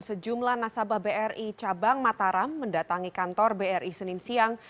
sejumlah nasabah bri cabang mataram mendatangi kantor bri senin siang